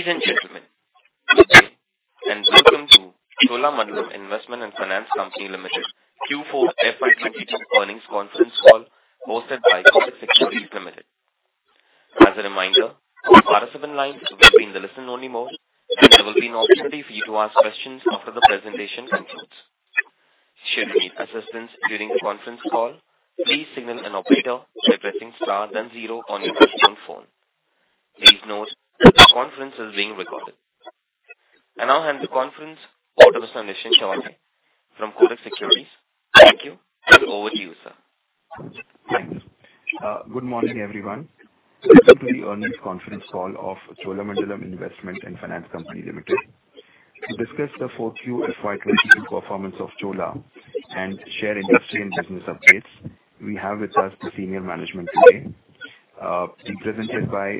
Ladies and gentlemen, good day, and welcome to Cholamandalam Investment and Finance Company Limited Q4 FY22 earnings conference call hosted by Kotak Securities Limited. As a reminder, for the rest of the line, this will be in the listen-only mode. There will be an opportunity for you to ask questions after the presentation concludes. Should you need assistance during the conference call, please signal an operator by pressing star then zero on your touchtone phone. Please note that this conference is being recorded. I now hand the conference over to Nischint Chawathe from Kotak Securities. Thank you and over to you, sir. Thanks. Good morning, everyone. Welcome to the earnings conference call of Cholamandalam Investment and Finance Company Limited. To discuss the Q4 FY22 performance of Chola and share industry and business updates, we have with us the senior management today, being presented by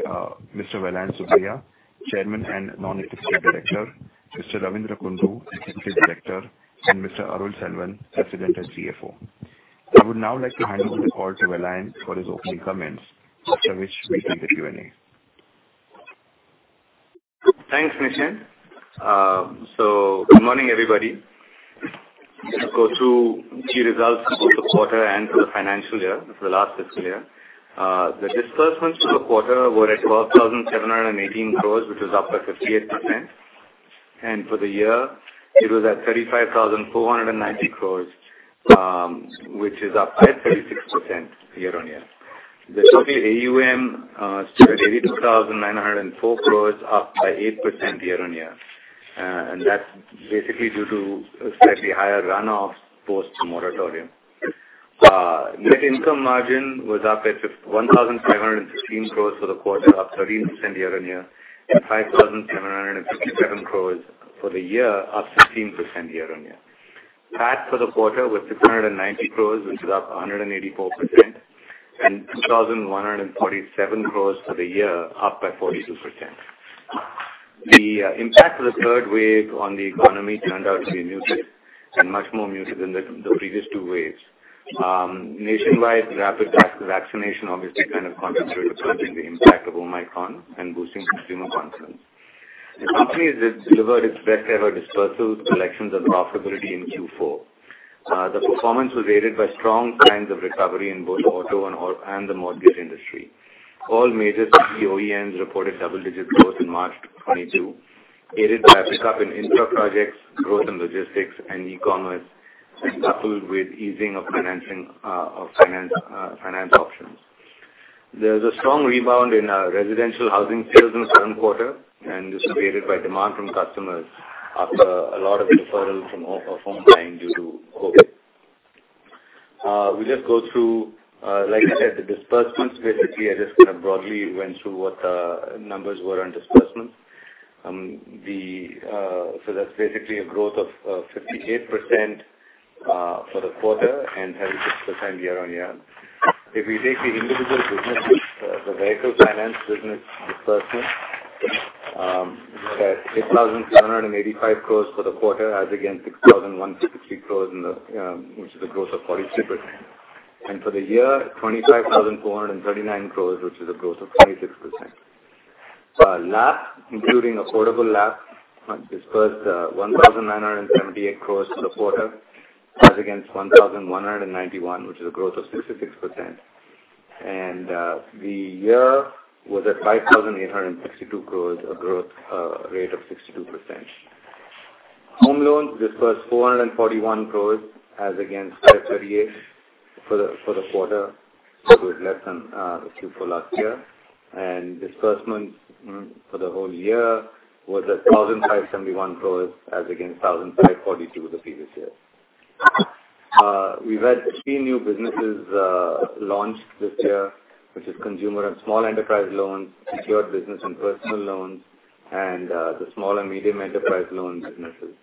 Mr. Vellayan Subbiah, Chairman and Non-Executive Director, Mr. Ravindra Kundu, Executive Director, and Mr. Arul Selvan, President and CFO. I would now like to hand over the call to Vellayan for his opening comments, after which we begin the Q&A. Thanks, Nischint. Good morning, everybody. Let's go through the results for the quarter and for the financial year, for the last fiscal year. The disbursements for the quarter were at 12,718 crore, which was up 58%. For the year, it was at 35,490 crore, which is up 36% year-on-year. The total AUM stood at INR 82,904 crore, up 8% year-on-year. That's basically due to a slightly higher runoff post-moratorium. Net income margin was up at 1,516 crore for the quarter, up 13% year-on-year, and 5,767 crore for the year, up 16% year-on-year. PAT for the quarter was 690 crores, which is up 184%, and 2,147 crores for the year, up by 42%. The impact of the third wave on the economy turned out to be muted and much more muted than the previous two waves. Nationwide rapid vaccination obviously kind of contributed to curbing the impact of Omicron and boosting consumer confidence. The company has delivered its best ever disbursements, collections and profitability in Q4. The performance was aided by strong signs of recovery in both auto and the mortgage industry. All major three OEMs reported double-digit growth in March 2022, aided by a pickup in infra projects, growth in logistics and e-commerce, and coupled with easing of financing options. There's a strong rebound in residential housing sales in the current quarter, and this was aided by demand from customers after a lot of deferral from home buying due to COVID. We just go through, like I said, the disbursements. Basically, I just kind of broadly went through what the numbers were on disbursements. That's basically a growth of 58% for the quarter and 36% year-on-year. If we take the individual businesses, the vehicle finance business disbursement was at 8,785 crores for the quarter as against 6,160 crores in the, which is a growth of 46%. For the year, INR 25,439 crores, which is a growth of 26%. LAP, including affordable LAP, disbursed 1,978 crores for the quarter as against 1,191, which is a growth of 66%. The year was at 5,862 crores, a growth rate of 62%. Home loans disbursed 441 crores as against 538 for the quarter, so it's less than Q4 last year. Disbursements for the whole year was at 1,571 crores as against 1,542 the previous year. We've had three new businesses launched this year, which is Consumer and Small Enterprise Loans, Secured Business and Personal Loan, and the small and medium enterprise loan businesses.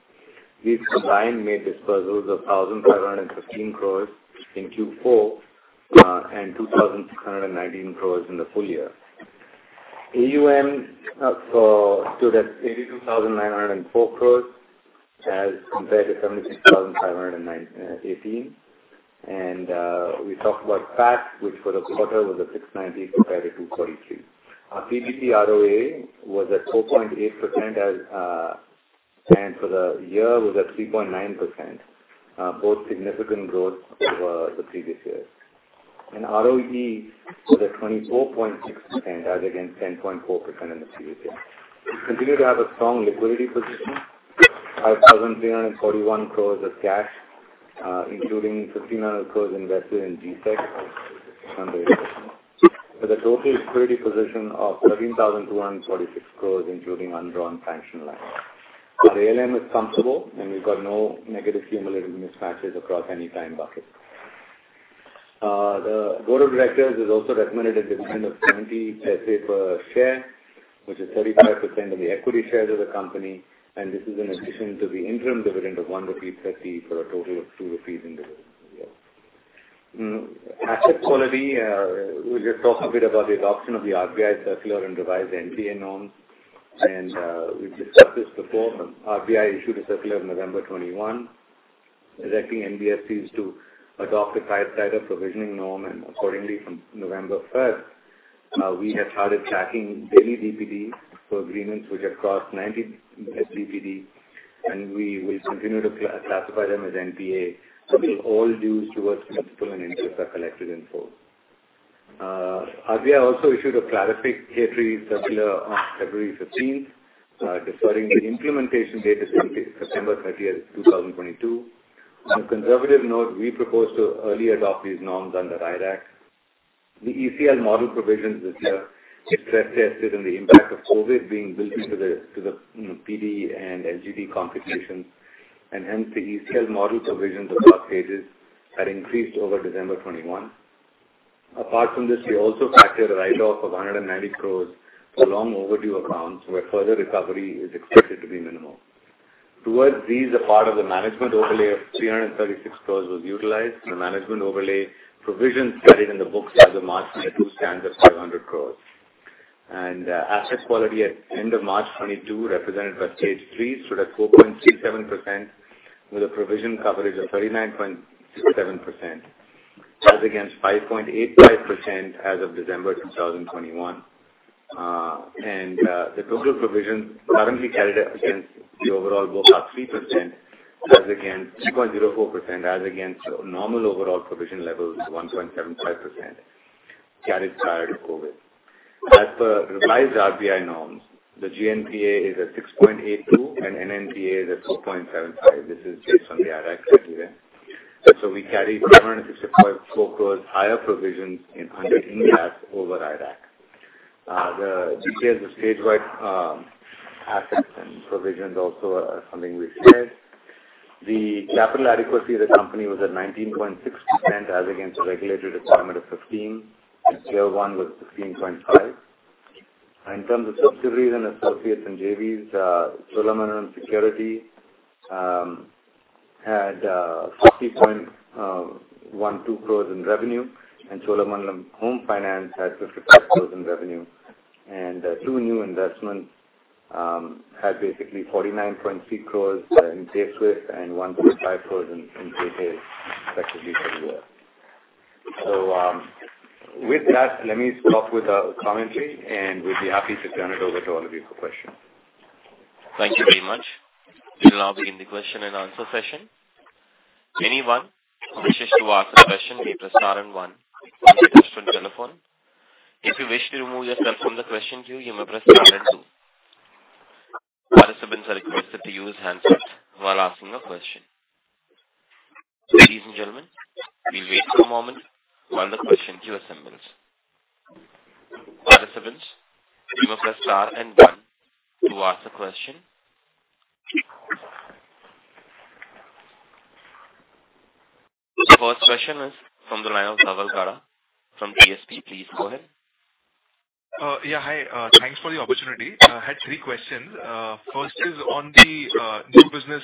These combined made disbursements of 1,515 crore in Q4, and 2,619 crore in the full year. AUM so stood at 82,904 crore as compared to 76,518 crore. We talked about PAT, which for the quarter was at 690 crore compared to 243 crore. Our PBT ROA was at 4.8% as, and for the year was at 3.9%, both significant growth over the previous years. ROE was at 24.6% as against 10.4% in the previous year. We continue to have a strong liquidity position. 5,341 crore of cash, including 1,500 crore invested in G-Sec. With a total security position of 13,146 crores, including undrawn sanction lines. Our ALM is comfortable, and we've got no negative cumulative mismatches across any time bucket. The board of directors has also recommended a dividend of 0.20 per share, which is 35% of the equity shares of the company, and this is in addition to the interim dividend of 1.30 rupee for a total of 2 rupees in dividends. Asset quality, we'll just talk a bit about the adoption of the RBI circular and revised NPA norms. We've discussed this before, but RBI issued a circular November 2021 directing NBFCs to adopt a tighter provisioning norm. Accordingly, from November 1, we had started tracking daily DPD for agreements which have crossed 90 DPD, and we will continue to classify them as NPA, so all dues towards principal and interest are collected in full. RBI also issued a clarificatory circular on February 15, deferring the implementation date to September 30, 2022. On a conservative note, we propose to early adopt these norms under Ind AS. The ECL model provisions this year, it stress-tested on the impact of COVID being built into the PD and LGD computations, and hence the ECL model provisions for Stage 3 have increased over December 2021. Apart from this, we also factor a write-off of 190 crores for long overdue accounts, where further recovery is expected to be minimal. Towards these, a part of the management overlay of 336 crore was utilized. The management overlay provisions carried in the books as of March 2022 stands at 500 crore. Asset quality at end of March 2022 represented by Stage 3 stood at 4.67% with a provision coverage of 39.67%. That's against 5.85% as of December 2021. The total provision currently carried against the overall book are 3% as against three point zero four percent as against normal overall provision levels of 1.75% carried prior to COVID. As per revised RBI norms, the GNPA is at 6.82% and NNPA is at 4.75%. This is based on the IRAC criteria. We carry 365 crore higher provisions under Ind AS over IGAAP. The details of stage-wise assets and provisions also are something we've shared. The capital adequacy of the company was at 19.6% as against the regulated requirement of 15%, and tier one was 15.5%. In terms of subsidiaries and associates and JVs, Cholamandalam Securities had 60.12 crore in revenue, and Cholamandalam Home Finance had 55 crore in revenue. Two new investments had basically 49.6 crore in Payswiff and 1.5 crore in Paytail, respectively for the year. With that, let me stop with the commentary, and we'd be happy to turn it over to all of you for questions. Thank you very much. We'll now begin the question and answer session. If anyone wishes to ask a question, you press star and one on your touchtone telephone. If you wish to remove yourself from the question queue, you may press star and two. Participants are requested to use handsets while asking a question. Ladies and gentlemen, we'll wait for a moment while the question queue assembles. Participants, you may press star and one to ask a question. The first question is from the line of Dhaval Gada from DSP. Please go ahead. Yeah. Hi. Thanks for the opportunity. I had three questions. First is on the new business.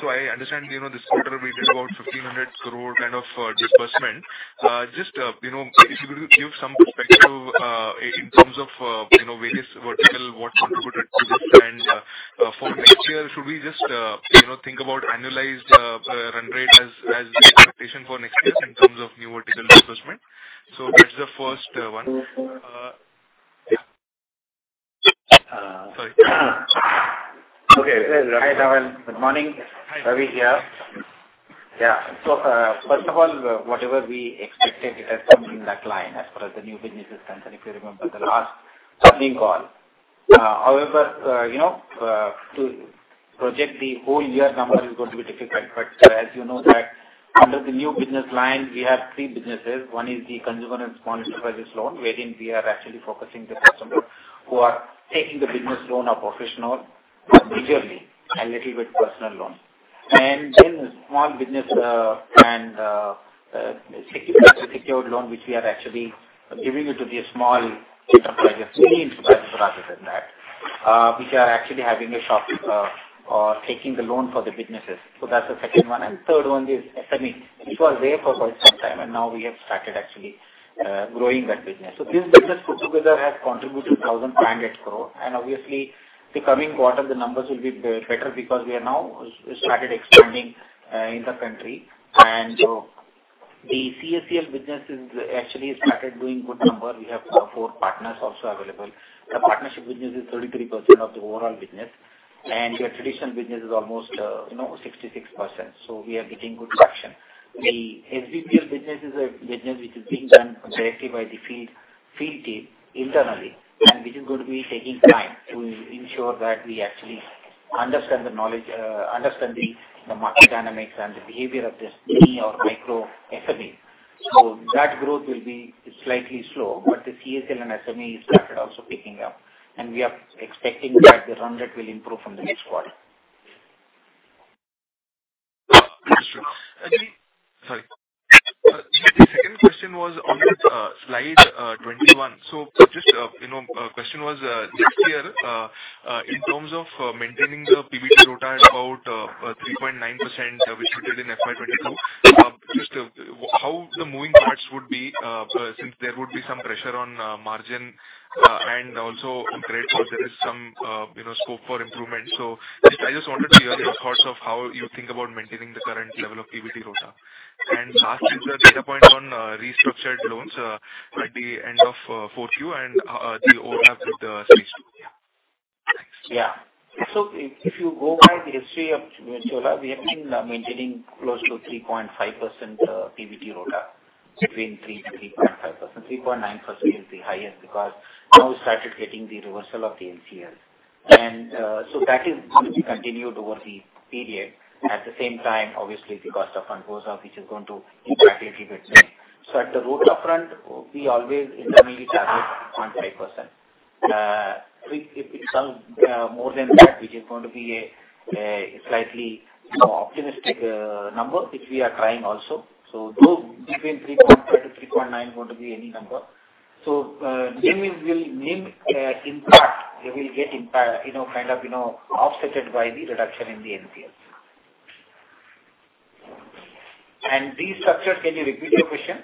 So I understand, you know, this quarter we did about 1,500 crore kind of disbursement. Just, you know, if you could give some perspective, in terms of, you know, various vertical, what contributed to this? And, for next year, should we just, you know, think about annualized run rate as the expectation for next year in terms of new vertical disbursement? So that's the first one. Sorry. Okay. Hi, Dhaval. Good morning. Ravi here. First of all, whatever we expected, it has come in that line as far as the new business is concerned, if you remember the last earnings call. However, you know, to project the whole year number is going to be difficult. As you know that under the new business line, we have three businesses. One is the Consumer and Small Enterprise Loan, wherein we are actually focusing the customers who are taking the business loan or professional majorly, a little bit personal loans. Then small business and secured loan, which we are actually giving it to the small enterprise, mini enterprise rather than that, which are actually having a shop or taking the loan for the businesses. That's the second one. Third one is SME, which was there for quite some time, and now we have started actually growing that business. This business put together has contributed 1,500 crore. Obviously the coming quarter, the numbers will be better because we are now started expanding in the country. The CSEL business is actually started doing good number. We have four partners also available. The partnership business is 33% of the overall business, and your traditional business is almost, you know, 66%. We are getting good traction. The SBPL business is a business which is being done directly by the field team internally, and which is going to be taking time to ensure that we actually understand the knowledge, understand the market dynamics and the behavior of the mini or micro SME. That growth will be slightly slow, but the CSEL and SME started also picking up, and we are expecting that the run rate will improve from the next quarter. Understood. The second question was on the slide 21. So just, you know, the question was next year in terms of maintaining the PBT ROTA at about 3.9%. The moving parts would be since there would be some pressure on margin and also credit cost, there is some, you know, scope for improvement. So I just wanted to hear your thoughts on how you think about maintaining the current level of PBT ROTA. Last is the data point on restructured loans at the end of 4Q and the overlap with stage two. Thanks. Yeah. If you go by the history of Chola, we have been maintaining close to 3.5%, PBT ROTA, between 3%-3.5%. 3.9% is the highest because now we started getting the reversal of the NCL. That is going to be continued over the period. At the same time, obviously the cost of fund goes up, which is going to impact a little bit. At the ROTA front, we always internally target 0.5%. If it become more than that, which is going to be a slightly, you know, optimistic number, which we are trying also. Those between 3.5%-3.9% going to be any number. NIM impact, they will get impacted, you know, kind of, you know, offset by the reduction in the NCL. Restructured, can you repeat your question?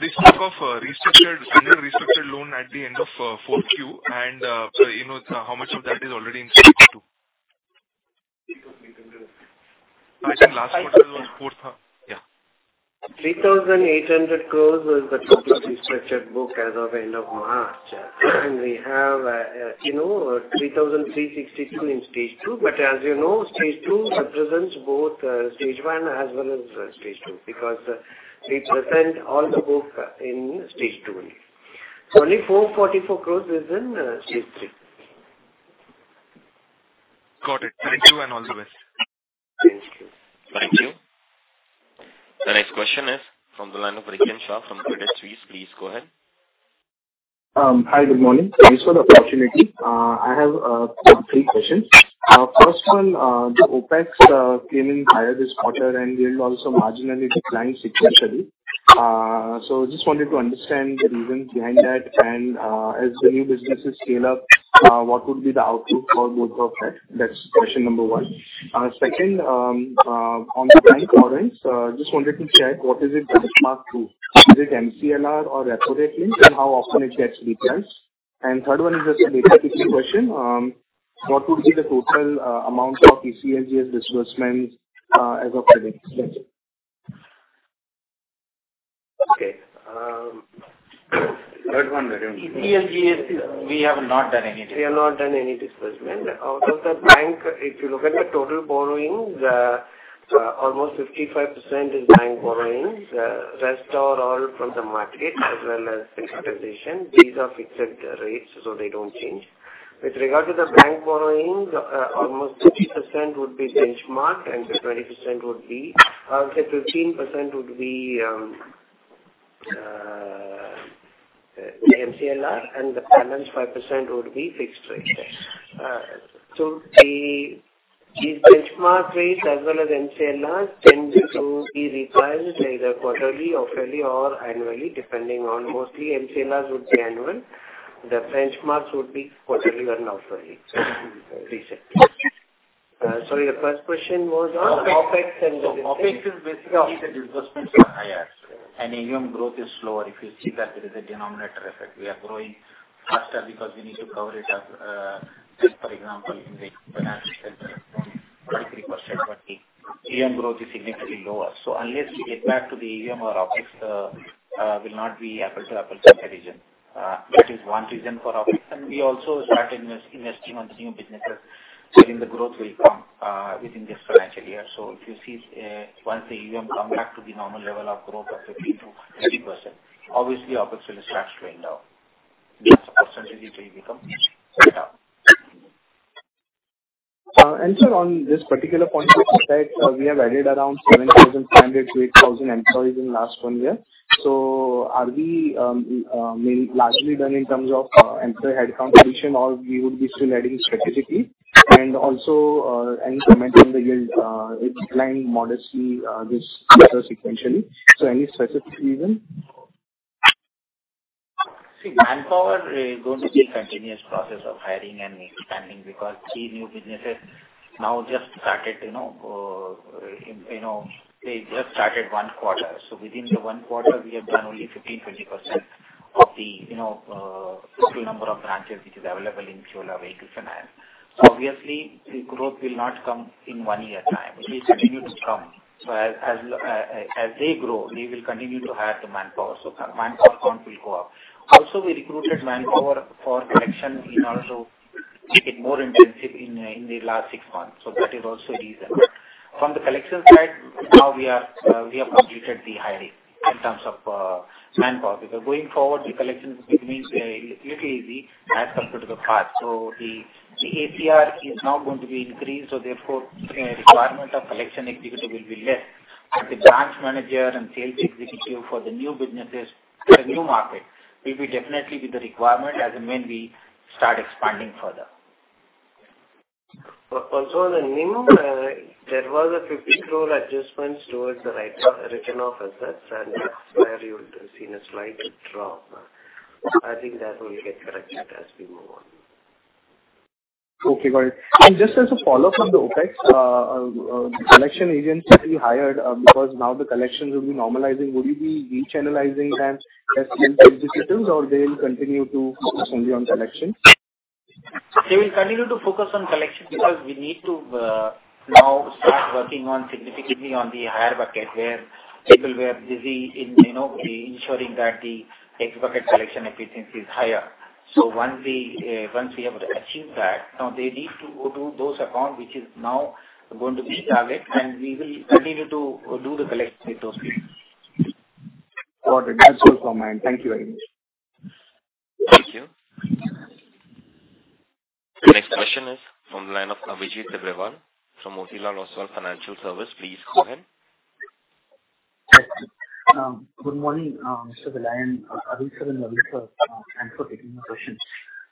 They spoke of standard restructured loan at the end of Q4 and, so, you know, how much of that is already in Stage 2? 3,800. I think last quarter it was 4,000. Yeah. 3,800 crore was the total restructured book as of end of March. We have, you know, 3,362 crore in Stage 2. As you know, Stage 2 represents both Stage 1 as well as Stage 2. We present all the book in Stage 2 only. Only 444 crore is in Stage 3. Got it. Thank you and all the best. Thank you. Thank you. The next question is from the line of Rikin Shah from Credit Suisse. Please go ahead. Hi, good morning. Thanks for the opportunity. I have three questions. First one, the OPEX came in higher this quarter, and yield also marginally declined sequentially. Just wanted to understand the reasons behind that, and as the new businesses scale up, what would be the outlook for both OPEX? That's question number one. Second, on the bank loans, just wanted to check what is it benchmarked to? Is it MCLR or repo rate linked, and how often it gets repriced? Third one is just a data point question. What would be the total amount of ECLGS disbursements as of today? Thank you. Okay. Third one, repeat. ECLGS is. We have not done anything. We have not done any disbursement. If you look at the total borrowings, almost 55% is bank borrowings. The rest are all from the market as well as syndication. These are fixed rates, so they don't change. With regard to the bank borrowings, almost 30% would be benchmarked, and 20% would be, say, 15% would be MCLR, and the balance 5% would be fixed rate. So the, these benchmark rates as well as MCLR tend to be repriced either quarterly, half-yearly or annually, depending on mostly MCLR would be annual. The benchmarks would be quarterly or annually. Recent. Sorry, your first question was on OPEX and- OPEX is basically the disbursements are higher. AUM growth is slower. If you see that there is a denominator effect. We are growing faster because we need to cover it up. Take for example, in the financial sector, 23%, but the AUM growth is significantly lower. Unless we get back to the AUM, our OPEX will not be apples-to-apples comparison. That is one reason for OPEX. We also started investing on new businesses, so then the growth will come within this financial year. If you see, once the AUM come back to the normal level of growth of 15%-20%, obviously OPEX will start to come down. As a percentage it will become settle down. Sir, on this particular point, it looks like we have added around 7,500-8,000 employees in last one year. Are we, I mean, largely done in terms of employee headcount addition or we would be still adding strategically? Also, any comment on the yield, it declined modestly this quarter sequentially. Any specific reason? See, manpower is going to be a continuous process of hiring and expanding because three new businesses now just started, you know, they just started one quarter. Within the one quarter we have done only 15-20% of the total number of branches which is available in Chola Agriculture and Health. Obviously the growth will not come in one year time. It will continue to come. As they grow, we will continue to hire the manpower. Manpower count will go up. Also, we recruited manpower for collection in order to make it more intensive in the last six months. That is also a reason. From the collection side, now we have completed the hiring in terms of manpower. Because going forward the collections will be little easy as compared to the past. The APR is not going to be increased, so therefore requirement of collection executive will be less. The branch manager and sales executive for the new businesses, the new market, will definitely be the requirement as and when we start expanding further. Also on the NIM, there was a 50 crore adjustments towards the write-off, written off assets, and that's where you would have seen a slight drop. I think that will get corrected as we move on. Okay, got it. Just as a follow-up on the OPEX, collection agents will be hired, because now the collections will be normalizing. Will you be rechannelizing them into sales or they will continue to focus only on collection? They will continue to focus on collection because we need to now start working on significantly on the higher bucket where people were busy in, you know, ensuring that the 90s bucket collection efficiency is higher. Once we have achieved that, now they need to go to those account which is now going to be target and we will continue to do the collection with those people. Got it. That's useful for mine. Thank you very much. Thank you. The next question is from the line of Vijay Agrawal from Motilal Oswal Financial Services. Please go ahead. Good morning, Mr. Vellayan, Arun sir and Ravi sir. Thanks for taking the questions.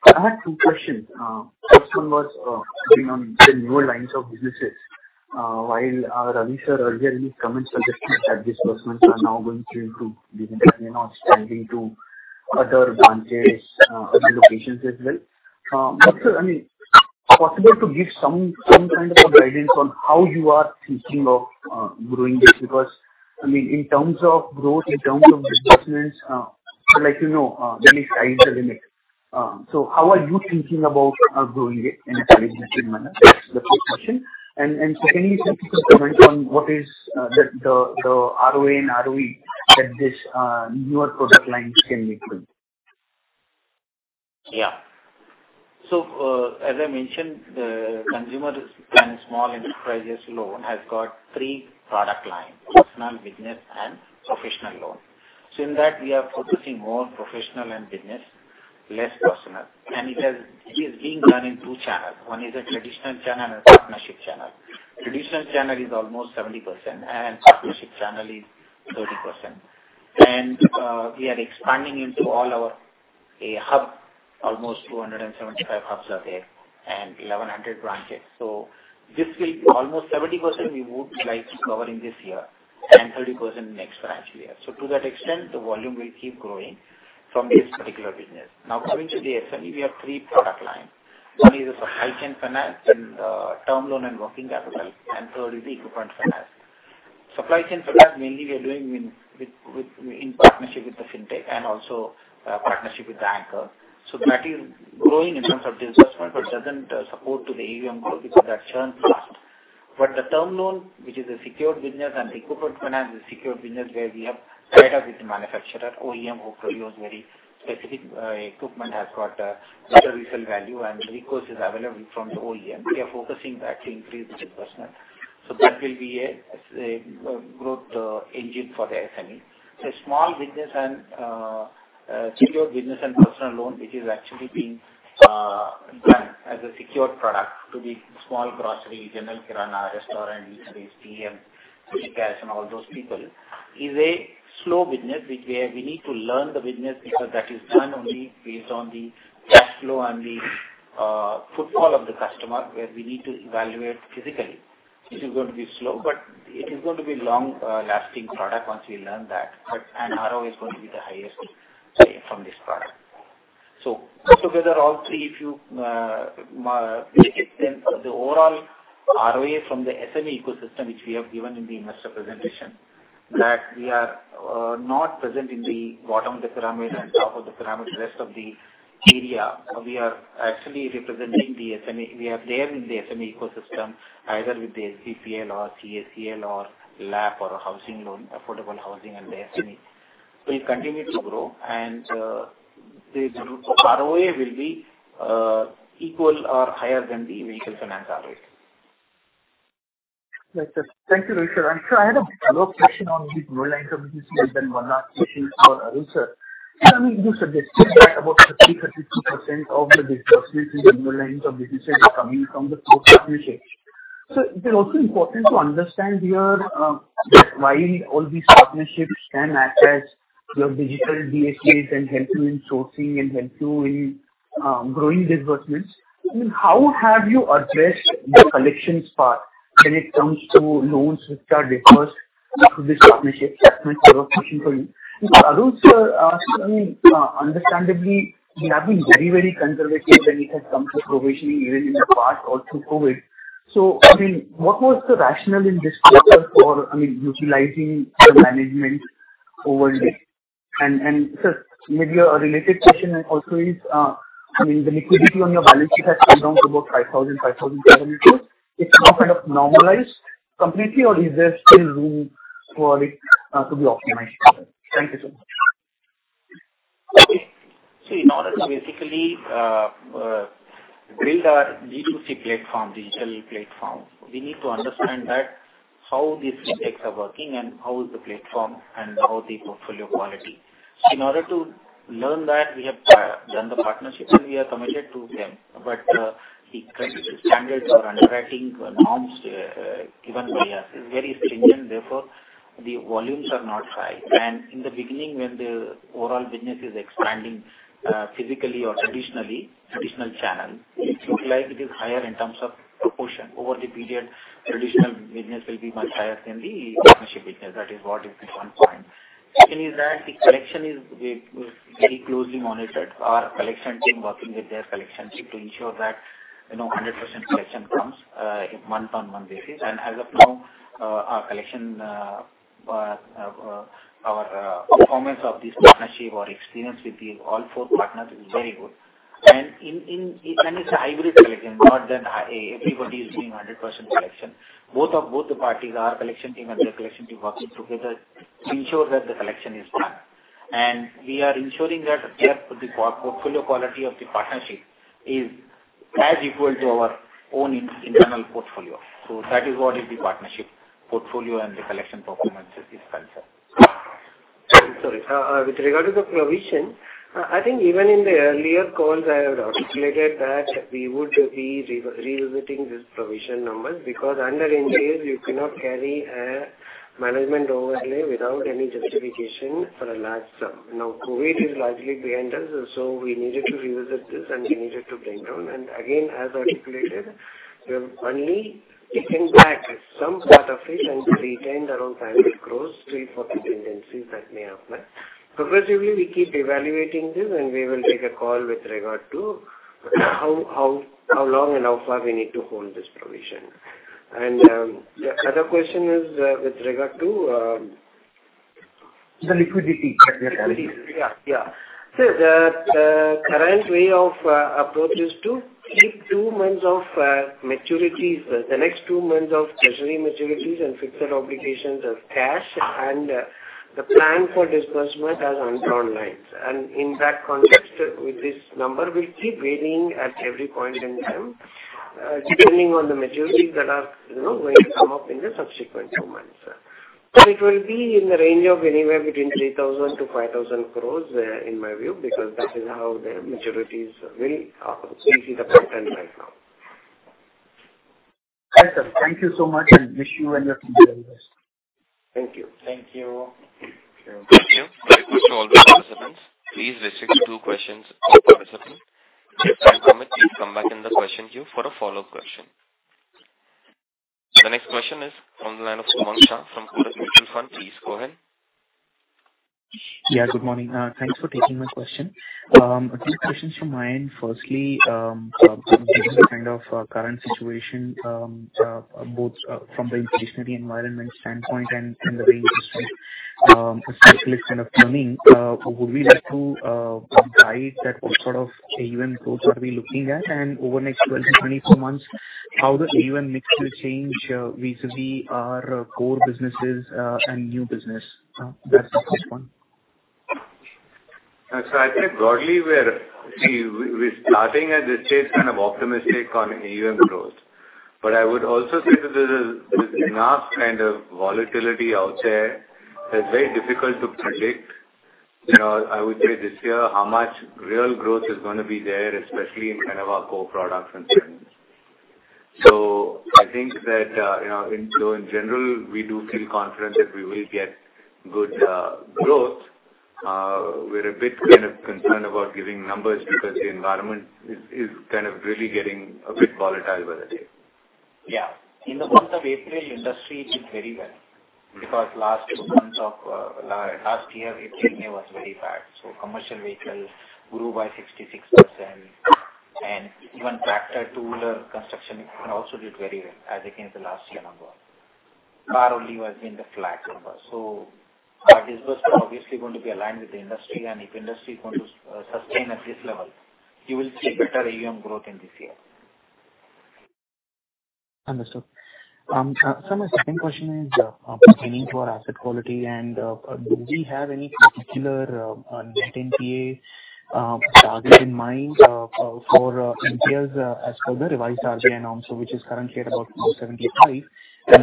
I had two questions. First one was, bringing on the newer lines of businesses. While, Ravi sir earlier his comments suggested that disbursements are now going through to be 15 or expanding to other branches, other locations as well. I mean, possible to give some kind of a guidance on how you are thinking of, growing this because I mean, in terms of growth, in terms of disbursements, so like, you know, really sky is the limit. So how are you thinking about, growing it in a strategic manner? That's the first question. Secondly, if you could comment on what is, the ROA and ROE that this, newer product lines can be pulled. Yeah. As I mentioned, the Consumer and Small Enterprise Loans has got three product line, personal, business and professional loan. In that we are focusing more on professional and business, less personal. It has is being done in two channels. One is a traditional channel and a partnership channel. Traditional channel is almost 70% and partnership channel is 30%. We are expanding into all our hub. Almost 275 hubs are there and 1,100 branches. This will be almost 70% we would like to cover in this year and 30% next financial year. To that extent, the volume will keep growing from this particular business. Now, coming to the SME, we have three product line. One is a Supply Chain Finance and term loan and working capital, and third is Equipment Finance. Supply Chain Finance mainly we are doing in partnership with the fintech and also partnership with the anchor. That is growing in terms of disbursement, but doesn't support to the AUM growth because of that churn cost. The term loan which is a secured business and Equipment Finance is a secured business where we have tied up with the manufacturer, OEM, who produce very specific equipment, has got a better resale value and the recourse is available from the OEM. We are focusing that to increase the disbursement. That will be a growth engine for the SME. The small business and secured business and personal loan, which is actually being planned as a secured product to the small grocery, general kirana, restaurant, e-commerce, DM, push carts and all those people, is a slow business which we have... We need to learn the business because that is done only based on the cash flow and the footfall of the customer, where we need to evaluate physically. It is going to be slow, but it is going to be long lasting product once we learn that. ROE is going to be the highest from this product. Put together all three, if you mix it, then the overall ROA from the SME ecosystem, which we have given in the investor presentation, that we are not present in the bottom of the pyramid and top of the pyramid, rest of the area, we are actually representing the SME. We are there in the SME ecosystem, either with the SBPL or CSEL or LAP or housing loan, affordable housing and the SME. It continue to grow and the ROA will be equal or higher than the Vehicle Finance ROA. Thank you, sir. Thank you, Ravi sir. Sir, I had a follow-up question on the new lines of business and then one last question for Arul Selvan sir. Sir, I mean, you suggested that about 53.2% of the disbursements in the lines of businesses are coming from the co-partnership. It is also important to understand here, that while all these partnerships can access your digital DSAs and help you in sourcing and help you in growing disbursements? I mean, how have you addressed the collections part when it comes to loans which are disbursed through this partnership. That is my sort of question for you. Arul Selvan sir, I mean, understandably, you have been very, very conservative when it has come to provisioning even in the past or through COVID. I mean, what was the rationale in this structure for, I mean, utilizing the management overlay? Sir, maybe a related question also is, I mean, the liquidity on your balance sheet has come down to about INR 5,700 crore. It's now kind of normalized completely or is there still room for it to be optimized? Thank you so much. Okay. See, in order to basically build our B2C platform, digital platform, we need to understand that how these fintechs are working and how is the platform and how the portfolio quality. In order to learn that, we have done the partnerships and we are committed to them. The credit standards or underwriting norms given by us is very stringent, therefore the volumes are not high. In the beginning when the overall business is expanding, physically or traditional channel, it looks like it is higher in terms of- Proportion over the period. Traditional business will be much higher than the partnership business. That is what is the current point. Second is that the collection is very closely monitored. Our collection team working with their collection team to ensure that 100% collection comes in month-on-month basis. As of now, our collection performance of this partnership or experience with all four partners is very good. In any hybrid collection, not that everybody is doing 100% collection. Both of the parties, our collection team and their collection team working together to ensure that the collection is done. We are ensuring that the portfolio quality of the partnership is as equal to our own internal portfolio. That is what is the partnership portfolio and the collection performance is concerned. Sorry. With regard to the provision, I think even in the earlier calls I have articulated that we would be revisiting this provision number because under Ind AS, you cannot carry a management overlay without any justification for a large sum. Now, COVID is largely behind us, so we needed to revisit this and we needed to bring down. Again, as articulated, we have only taken back some part of it and retained around INR 500 crore till further contingencies that may apply. Progressively, we keep evaluating this and we will take a call with regard to how long and how far we need to hold this provision. The other question is with regard to The liquidity that we are having. Liquidity. The current way of approach is to keep two months of maturities, the next two months of treasury maturities and fixed obligations of cash and the plan for disbursement as undrawn lines. In that context, this number will keep varying at every point in time, depending on the maturities that are, you know, going to come up in the subsequent two months. It will be in the range of anywhere between 3,000 crore-5,000 crore, in my view, because that is how the maturities will come. This is the pattern right now. Right, sir. Thank you so much and wish you and your team the best. Thank you. Thank you. Thank you. That is all for participants. Please restrict to two questions per participant. If time permits, come back in the question queue for a follow-up question. The next question is on the line of Sumant from Kotak Mutual Fund. Please go ahead. Yeah, good morning. Thanks for taking my question. A few questions from my end. Firstly, given the kind of current situation, both from the inflationary environment standpoint and the way interest rates especially is kind of turning, would we like to guide that what sort of AUM growth are we looking at? And over the next 12-24 months, how does AUM mix will change vis-a-vis our core businesses and new business? That's the first one. I think broadly we're starting at this stage kind of optimistic on AUM growth. I would also say that there's this vast kind of volatility out there that's very difficult to predict. You know, I would say this year, how much real growth is going to be there, especially in kind of our core products and services. I think that, you know, in general, we do feel confident that we will get good growth. We're a bit kind of concerned about giving numbers because the environment is kind of really getting a bit volatile by the day. Yeah. In the month of April, industry did very well because last two months of last year, April, May was very bad. Commercial vehicle grew by 66% and even tractor, two-wheeler, construction also did very well as against the last year number. Car only was in the flat number. Our disbursement obviously going to be aligned with the industry and if industry is going to sustain at this level, you will see better AUM growth in this year. Understood. My second question is pertaining to our asset quality and do we have any particular net NPA target in mind for NPAs as per the revised RBI norm, which is currently at about 4.75%.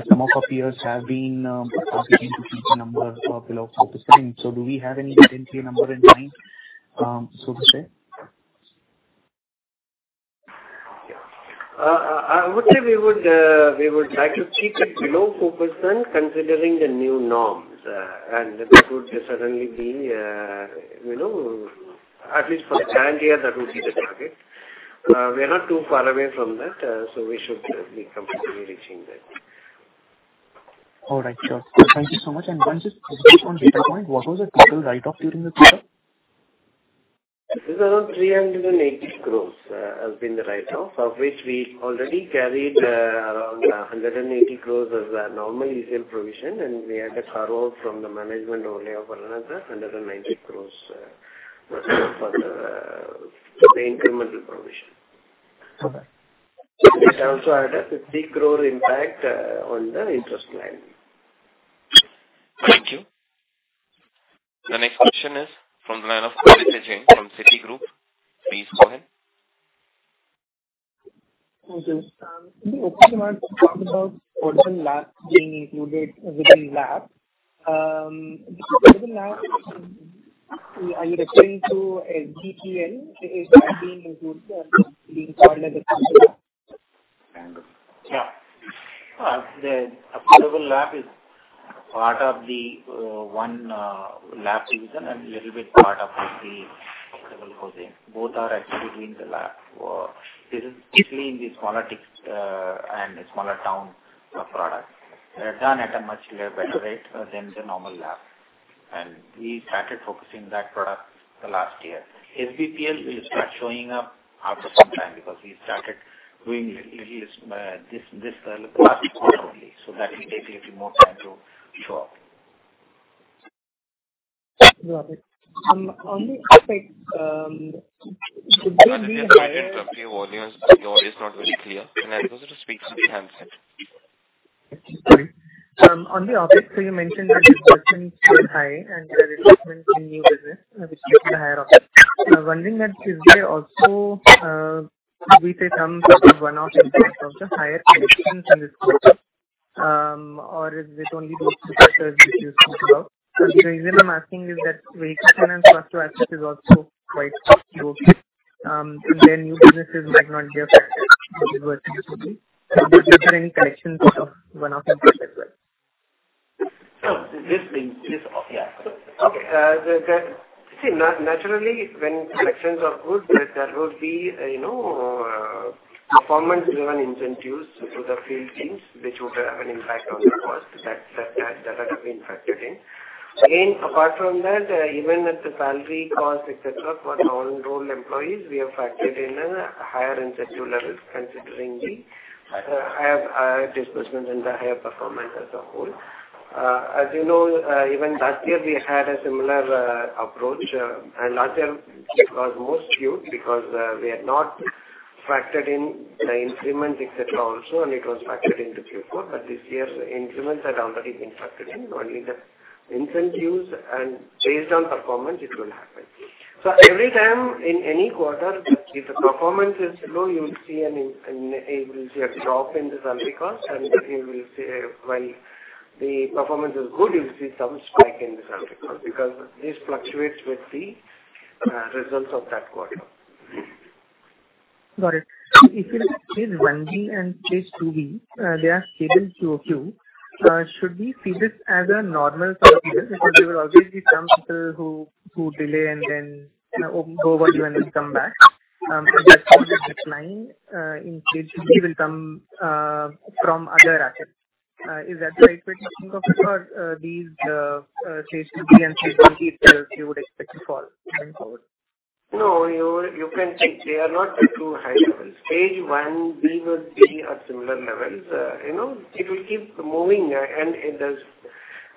Some of our peers have been targeting to keep the numbers below 4%. Do we have any net NPA number in mind so to say? I would say we would like to keep it below 4% considering the new norms. That would certainly be, you know, at least for the current year, that would be the target. We are not too far away from that, so we should be comfortably reaching that. All right. Sure. Thank you so much. One just quick on data point. What was the total write-off during the quarter? This is around 380 crores has been the write-off, of which we already carried around 180 crores as a normal ECL provision, and we had a carryover from the management overlay of another 190 crores for the incremental provision. Okay. It also had an 50 crore impact on the interest line. Thank you. The next question is from the line of Piran Engineer from Citigroup. Please go ahead. Okay. In the opening remarks, you talked about originated LAP being included within LAP. Within LAP, are you referring to a GTPL? Is that being included or being called as a Yeah. The affordable LAP is part of the LAP division and little bit part of the affordable housing. Both are actually doing the LAP. This is typically in the smaller tickets and smaller towns product. They're done at a much lower rate than the normal LAP. We started focusing that product the last year. SBPL will start showing up after some time because we started doing this last quarter only, so that will take a little more time to show up. Got it. On the upside, could there be a higher- I'm having trouble hearing your volume. Your audio is not very clear. Can I request you to speak to the handset? Sorry. On the OPEX, you mentioned that disbursements were high and new business, which leads to higher OPEX. I'm wondering, is there also some sort of one-off impact of the higher collections in this quarter, or is it only those two factors which you spoke about? The reason I'm asking is that Vehicle Finance Stage 3 assets is also quite low. Their new businesses might not be affected as usual. Is there any one-off impact on collections as well? No. This means this. Yeah. Okay. See, naturally, when collections are good, there would be, you know, performance-driven incentives to the field teams, which would have an impact on the cost that had been factored in. Again, apart from that, even with the salary cost, et cetera, for non-role employees, we have factored in a higher incentive levels considering the higher disbursements and the higher performance as a whole. As you know, even last year we had a similar approach. Last year it was more skewed because we had not factored in the increment, et cetera, also, and it was factored into Q4. This year's increments had already been factored in. Only the incentives and based on performance it will happen. Every time in any quarter, if the performance is low, you'll see a drop in the salary cost, and when the performance is good, you'll see some spike in the salary cost because this fluctuates with the results of that quarter. Got it. If you look at Stage 1B and Stage 2B, they are stable QOQ. Should we see this as a normal behavior? Because there will always be some people who delay and then overdue and then come back. And that's why this 9 in Stage 3 will come from other assets. Is that the right way to think of it or these Stage 2B and Stage 1B itself you would expect to fall going forward? No. You can see they are not at too high levels. Stage 1B will be at similar levels. You know, it will keep moving, and it does.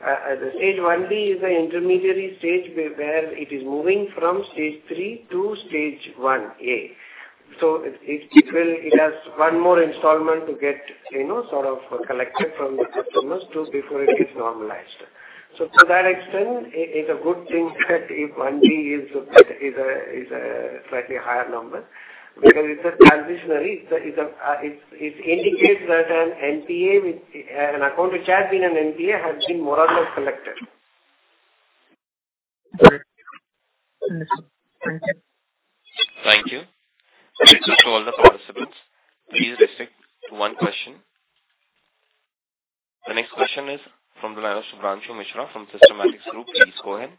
The Stage 1B is an intermediary stage where it is moving from Stage 3 to Stage 1A. So it will. It has one more installment to get, you know, sort of collected from the customers to before it gets normalized. So to that extent, it's a good thing that if Stage 1B is a slightly higher number because it's transitory. It indicates that an account which has been an NPA has been more or less collected. Got it. Understood. Thank you. Thank you. Thanks to all the participants. Please restrict to one question. The next question is from the line of Shubhranshu Mishra from Systematix Group. Please go ahead.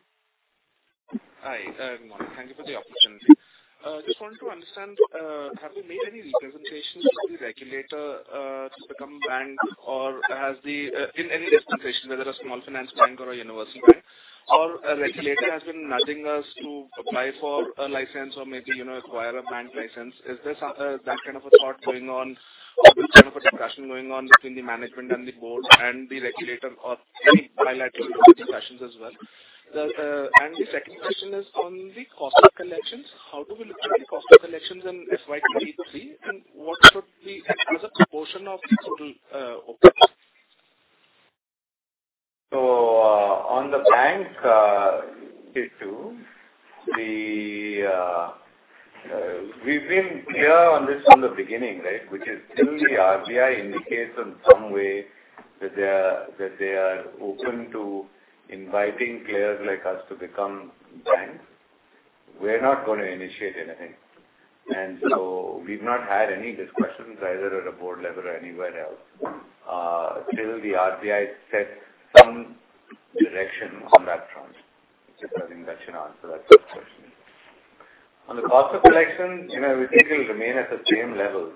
Hi. Good morning. Thank you for the opportunity. Just wanted to understand, have you made any representations to the regulator to become bank or has there been any representation, whether a small finance bank or a universal bank or the regulator has been nudging us to apply for a license or maybe, you know, acquire a bank license. Is there some that kind of a thought going on or any kind of a discussion going on between the management and the board and the regulator or any bilateral discussions as well? The second question is on the cost of collections. How do we look at the cost of collections in FY 2023, and what should be as a proportion of the total OPEX? On the bank issue, we've been clear on this from the beginning, right? Which is till the RBI indicates in some way that they are open to inviting players like us to become banks, we're not gonna initiate anything. We've not had any discussions either at a board level or anywhere else, till the RBI sets some direction on that front. I think that should answer that question. On the cost of collections, you know, we think it'll remain at the same level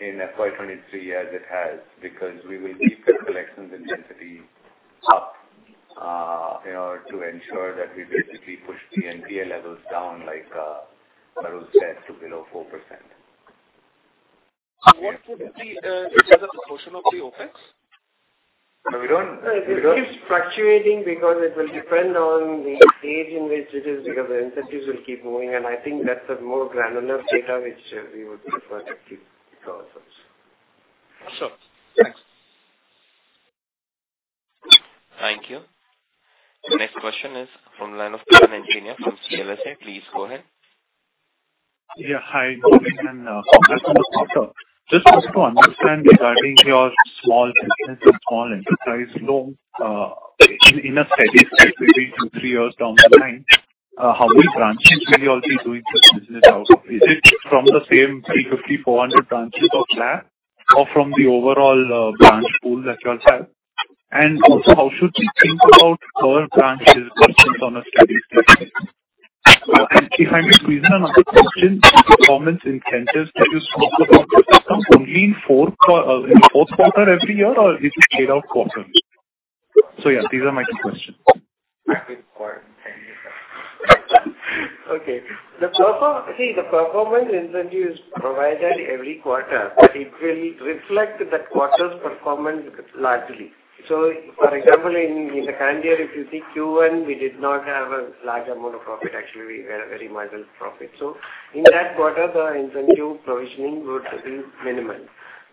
in FY 2023 as it has because we will keep the collections intensity up, in order to ensure that we basically push the NPA levels down like Arul Selvan said, to below 4%. What would be, as a proportion of the OPEX? We don't. It keeps fluctuating because it will depend on the stage in which it is, because the incentives will keep moving, and I think that's a more granular data which we would prefer to keep to ourselves. Sure. Thanks. Thank you. The next question is from the line of Piran Engineer from CLSA. Please go ahead. Yeah. Hi. Morning. Just wanted to understand regarding your small finance small enterprise loans, in a steady state, maybe two, three years down the line, how many branches will you all be doing this business out of? Is it from the same 350, 400 branches of LAP or from the overall branch pool that you all have? Also how should we think about per branch disbursements on a steady state? If I may squeeze another question on performance incentives that you spoke about. Is it done only in fourth quarter every year or is it paid out quarterly? Yeah, these are my two questions. Happy for it. Thank you, sir. Okay. See, the performance incentive is provided every quarter, but it will reflect that quarter's performance largely. For example, in the current year, if you see Q1, we did not have a large amount of profit. Actually, we had a very marginal profit. In that quarter the incentive provisioning would be minimal.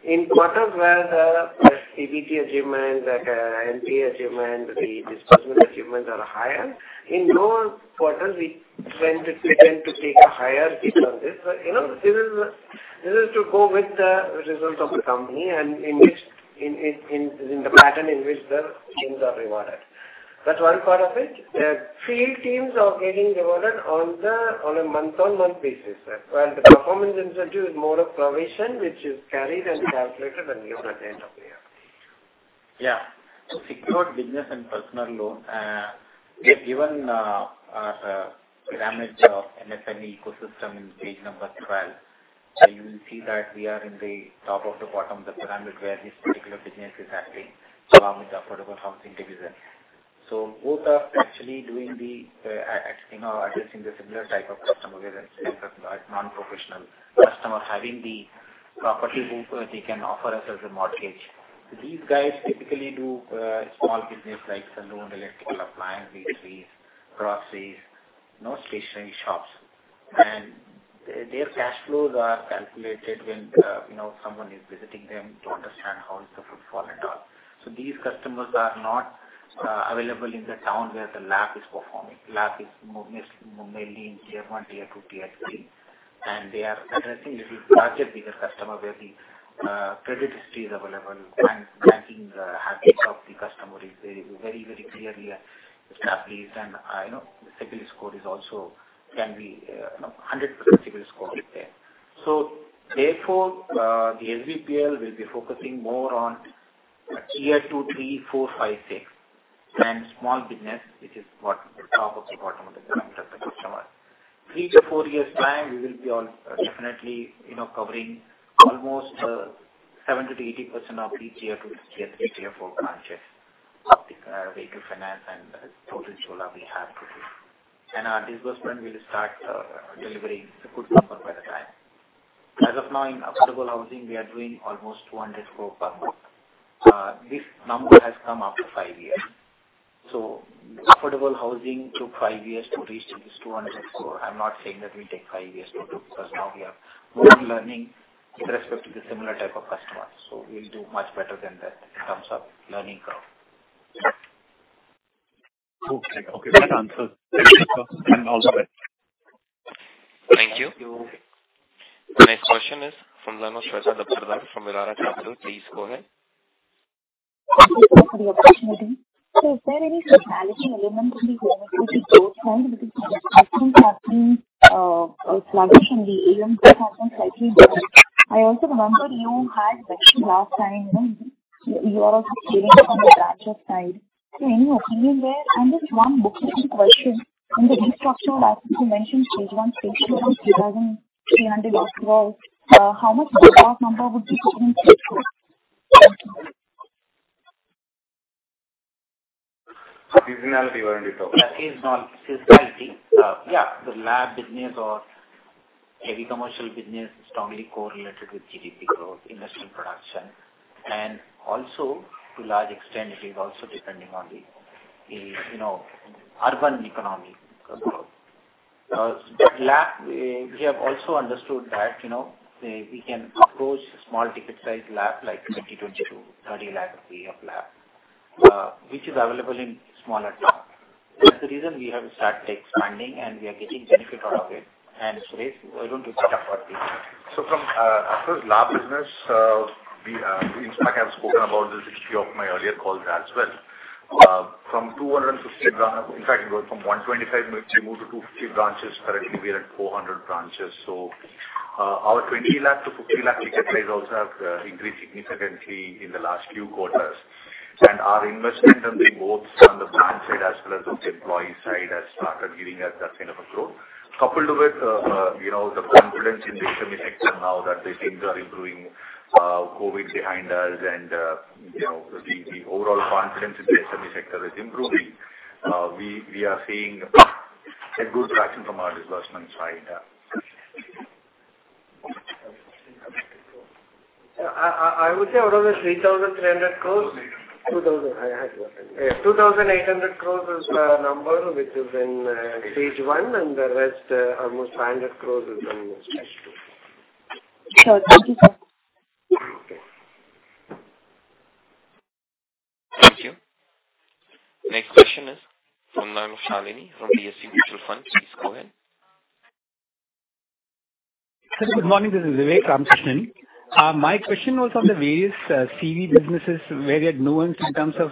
In quarters where the DPD achievement, like, NPA achievement, the disbursement achievements are higher, in those quarters we tend to take a higher hit on this. You know, this is to go with the results of the company and in which the pattern in which the teams are rewarded. That's one part of it. Field teams are getting rewarded on a month-on-month basis. While the performance incentive is more a provision which is carried and calculated and given at the end of the year. Yeah. Secured Business and Personal Loan, we have given our parameters of MSME ecosystem in page 12. You will see that we are in the top of the bottom of the pyramid where this particular business is happening, along with the affordable housing division. Both are actually addressing the similar type of customer where it's like a non-professional customer having the property whom they can offer us as a mortgage. These guys typically do small business like selling electrical appliances, groceries, you know, stationery shops. Their cash flows are calculated when you know, someone is visiting them to understand how the footfall and all. These customers are not available in the town where the LAP is performing. LAP is mostly mainly in tier one, tier two, tier three, and they are addressing a little larger, bigger customer where the credit history is available and banking habits of the customer is very clearly established. You know, CIBIL Score is also can be 100% CIBIL Score is there. Therefore, the SBPL will be focusing more on tier two, three, four, five, six, and small business, which is what the top of the bottom of the pyramid of the customer. 3-4 years' time, we will be all definitely covering almost 70%-80% of each tier two, tier three, tier four branches of the vehicle finance and total Chola we have today. Our disbursement will start delivering a good number by that time. As of now, in affordable housing we are doing almost 200 crore per month. This number has come after 5 years. Affordable housing took 5 years to reach this 200 crore. I'm not saying that we'll take 5 years to do because now we have more learning with respect to the similar type of customers, so we'll do much better than that in terms of learning curve. Okay. That answers and all is well. Thank you. Next question is from the line of Shweta Daptardar from Elara Capital. Please go ahead. Thank you for the opportunity. Is there any seasonality element in the home equity storefront because last year it was happening sluggish and the AUM growth happened slightly better. I also remember you had said last time, you know, you are also scaling up on the branches side. Any opinion there? Just one booking question. In the restructuring assets, you mentioned Stage 1, Stage 2 was 3,300 last call. How much ballpark number would be coming in Stage 2? Thank you. Seasonality, weren't you talking? Seasonality. Yeah. The LAP business or heavy commercial business is strongly correlated with GDP growth, industrial production, and also to a large extent it is also depending on the you know, urban economy growth. But LAP, we have also understood that, you know, we can approach small ticket size LAP like 20, 22, 30 lakh rupees of LAP, which is available in smaller towns. That's the reason we have started expanding and we are getting benefit out of it. Suresh, why don't you pick up from here? From after LAP business, we in fact I've spoken about this history of my earlier calls as well. From 250 branch, it was from 125 we moved to 250 branches. Currently we are at 400 branches. Our 20 lakh-50 lakh ticket size also have increased significantly in the last few quarters, and our investment on the both, on the branch side as well as on the employee side has started giving us that kind of a growth. Coupled with, you know, the confidence in the SME sector now that the things are improving, COVID behind us and, you know, the overall confidence in the SME sector is improving. We are seeing a good traction from our disbursements side. Yeah. I would say out of the 3,300 crore, 2,800 crore is the number which is in stage one, and the rest almost 500 crore is in stage two. Sure. Thank you, sir. Okay. Thank you. Next question is from the line of Vivek Ramakrishnan from DSP Mutual Fund. Please go ahead. Sir, good morning. This is Vijay from Sundaram. My question was on the various CV businesses where you had nuanced in terms of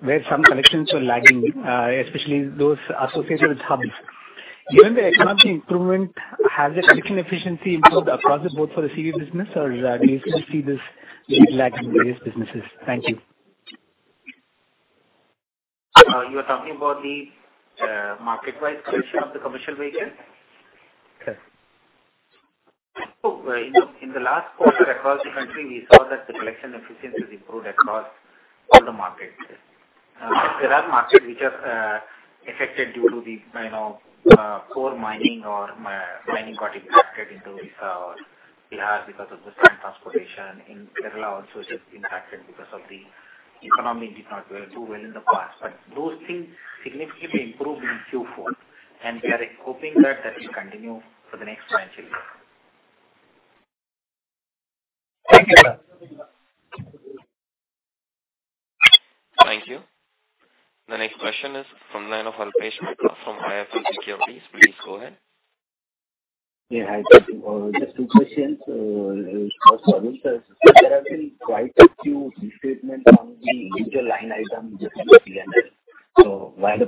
where some collections were lagging, especially those associated with hubs. Given the economic improvement, has the collection efficiency improved across the board for the CV business, or do you still see this lag in various businesses? Thank you. You are talking about the market-wide collection of the commercial vehicle? Yes. In the last quarter across the country, we saw that the collection efficiency improved across all the markets. There are markets which are affected due to the, you know, poor mining got impacted in Odisha or Bihar because of the sand transportation. In Kerala also it is impacted because of the economy did not do well in the past. Those things significantly improved in Q4, and we are hoping that that will continue for the next financial year. Thank you. Thank you. The next question is from the line of Alpesh Mehta from IIFL Securities. Please go ahead. Yeah. Hi. Just two questions. First, Arul, there have been quite a few restatements on the major line items within the P&L. While the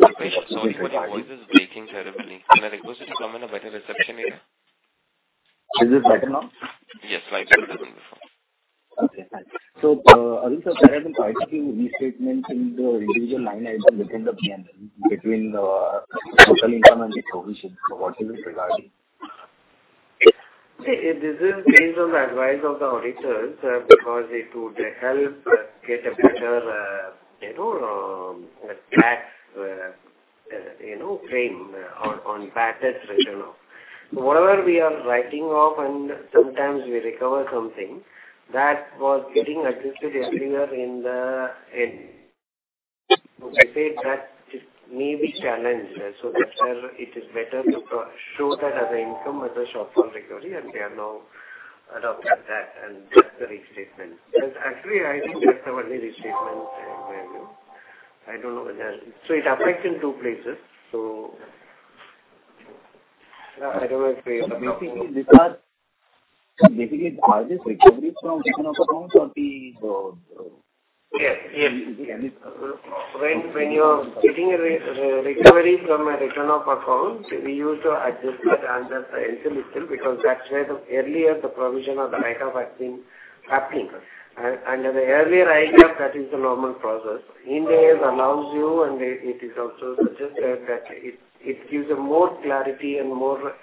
Alpesh, sorry, but your voice is breaking terribly. Can I request you to come in a better reception area? Is it better now? Yes. Slightly better than before. Okay. Thanks. Arul Selvan sir, there have been quite a few restatements in the individual line item within the PNL, between total income and the provision. What is it regarding? See, this is based on the advice of the auditors, because it would help get a better, you know, tax, you know, frame on tax written off. Whatever we are writing off and sometimes we recover something that was getting adjusted earlier in the end. I say that it may be challenged. Therefore it is better to show that as an income, as a short-term recovery, and we have now adopted that and that's the restatement. Actually, I think that's the only restatement where, you know. I don't know whether. It affects in two places. I don't know if we- Sir, basically, are these recoveries from written-off accounts or the? Yes. When you are getting a recovery from a written-off account, we used to adjust that under the income itself because that's where the earlier provision or the write-off had been happening. And the earlier, if that is the normal process. India allows you, and it is also suggested that it gives more clarity and more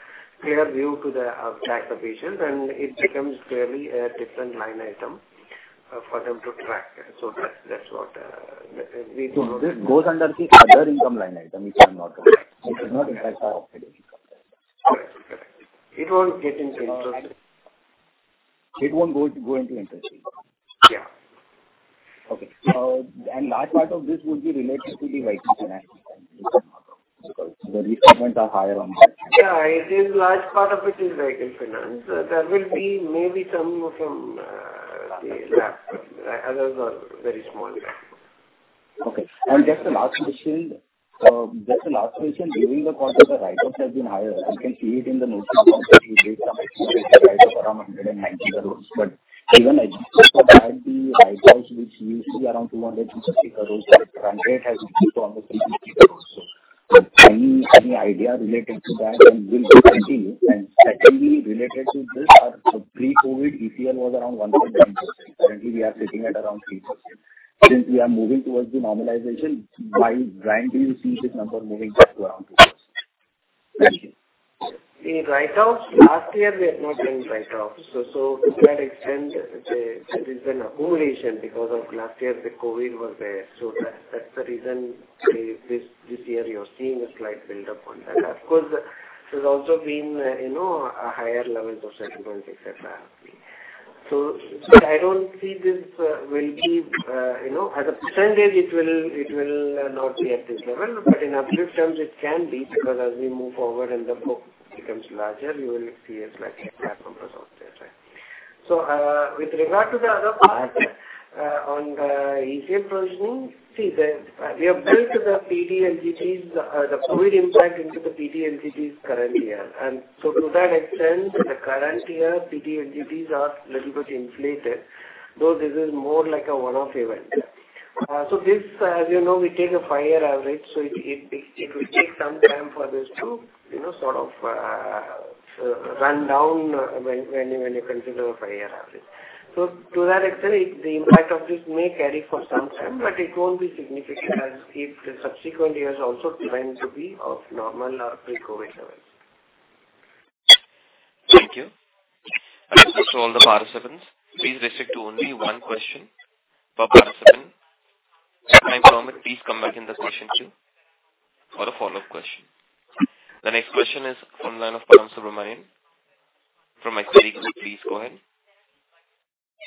clear view to the tax officials, and it becomes clearly a different line item for them to track. That's what we- This goes under the other income line item, which I'm not correcting. It should not impact our operating income. Correct. It won't get into interest income. It won't go into interest income. Yeah. Okay. Large part of this would be related to the Vehicle Finance, is that correct? The requirements are higher on that. Yeah. It is large part of it is Vehicle Finance. There will be maybe some from the LAP. Others are very small. Okay. Just a last question. During the quarter, the write-offs have been higher. I can see it in the notes to the company, you did some write-off around INR 190 crores. But even adjusted for that, the write-offs which used to be around INR 260 crores, that run rate has gone to INR 300 crores. So any idea related to that and will it continue? Secondly, related to this, our pre-COVID ECL was around 1.9%. Currently we are sitting at around 3%. Since we are moving towards the normalization, why, when do you see this number moving back to around 2%? Thank you. The write-offs, last year we have not done write-offs. To that extent, there is an accumulation because of last year the COVID was there. That, that's the reason this year you're seeing a slight build up on that. Of course, there's also been, you know, a higher levels of settlements et cetera. I don't see this will be, you know. At a percentage it will not be at this level. But in absolute terms it can be, because as we move forward and the book becomes larger, you will see a slight numbers out there, right. With regard to the other part, on the ECL provisioning, we have built the PD LGDs, the COVID impact into the PD LGDs current year. To that extent, the current year PD LGDs are little bit inflated, though this is more like a one-off event. You know, we take a five-year average, so it will take some time for this to, you know, sort of run down when you consider a five-year average. To that extent, the impact of this may carry for some time, but it won't be significant as in subsequent years also tends to be of normal or pre-COVID levels. Thank you. As this is for all the participants, please restrict to only one question per participant. If time permit, please come back in the session two for the follow-up question. The next question is on line of Bala Subramanyam from Axis. Please go ahead.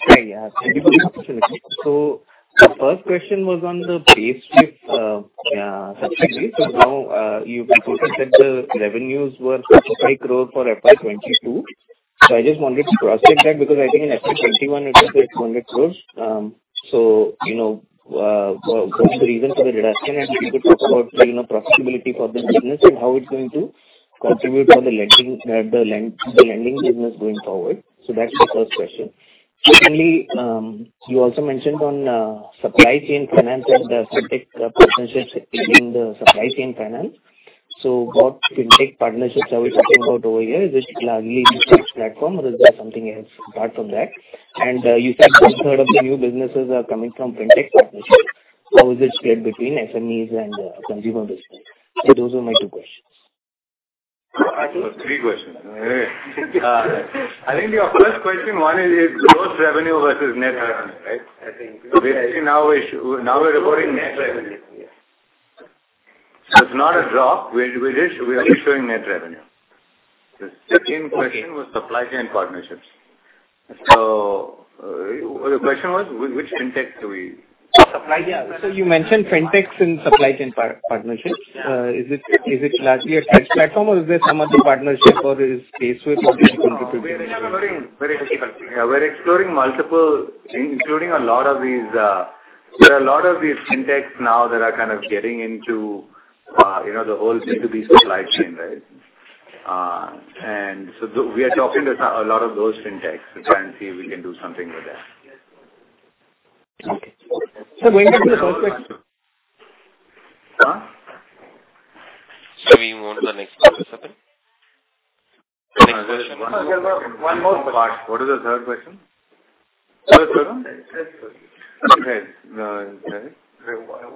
Hi. Thank you for the opportunity. The first question was on the base shift, subsidy. Now, you've reported that the revenues were 55 crore for FY 2022. I just wanted to cross-check that because I think in FY21 it was 8.8 billion. What's the reason for the reduction? And if you could talk about, you know, profitability for this business and how it's going to contribute for the lending business going forward. That's the first question. Secondly, you also mentioned on supply chain finance and the FinTech partnerships in the supply chain finance. What FinTech partnerships are we talking about over here? Is this largely the Tata platform or is there something else apart from that? And you said one-third of the new businesses are coming from FinTech partnerships. How is it shared between SMEs and consumer business? Those are my two questions. Three questions. I think your first question, one is gross revenue versus net revenue, right? I think. Basically, now we're reporting net revenue. Yes. It's not a drop. We are showing net revenue. Okay. The second question was supply chain partnerships. The question was which FinTech do we You mentioned fintechs in supply chain partnerships. Is it largely a Tata platform or is there some other partnership or is the case with what is contributing to this? We're initially very, very early. Yeah, we're exploring multiple things, including a lot of these. There are a lot of these fintechs now that are kind of getting into, you know, the whole B2B supply chain, right? We are talking to some, a lot of those fintechs to try and see if we can do something with that. Okay. Sir, going back to the first question. Huh? Sir, we move on to the next question? There's one more question. One more. What is the third question? 33% of the business comes from partnerships. Partnerships. Yeah.